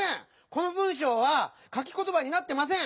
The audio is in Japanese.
この文しょうはかきことばになってません！